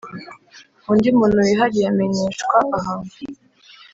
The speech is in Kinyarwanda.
undi muntu wihariye amenyeshwa ahantu